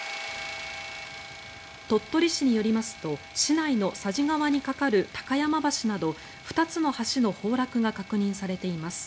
鳥取市によりますと市内の佐治川に架かる高山橋など２つの橋の崩落が確認されています。